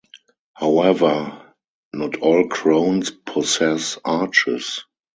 However, not all crowns possess arches.